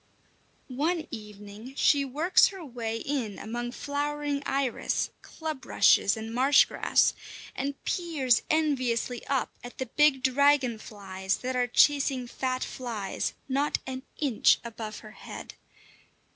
One evening she works her way in among flowering iris, club rushes, and marsh grass, and peers enviously up at the big dragon flies that are chasing fat flies not an inch above her head.